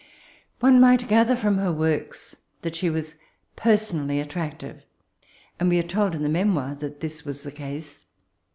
One might gather from her works that she was personally attractive, and we are told in the memoir that this was the case.